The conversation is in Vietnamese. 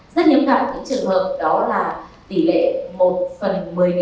rất nghiêm ngặt những trường hợp đó là tỷ lệ một phần một mươi